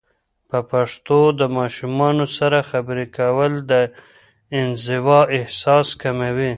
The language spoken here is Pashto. په پښتو د ماشومانو سره خبرې کول، د انزوا احساس کموي.